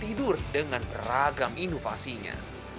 tidur dengan beragam inovasinya